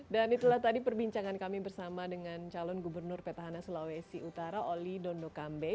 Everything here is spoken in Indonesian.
dan itulah tadi perbincangan kami bersama dengan calon gubernur petahana sulawesi utara oli dondokambe